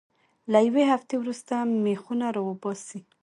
له یوې هفتې وروسته میخونه را وباسئ.